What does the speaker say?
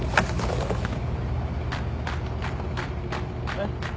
えっ？